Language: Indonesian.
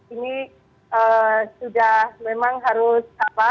ini sudah memang harus apa